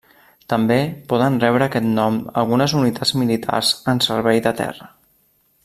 També poden rebre aquest nom algunes unitats militars en servei de terra.